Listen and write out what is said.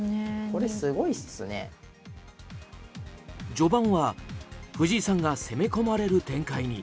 序盤は藤井さんが攻め込まれる展開に。